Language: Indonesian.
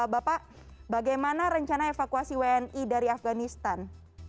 bapak bagaimana rencana evakuasi wni dari afganistan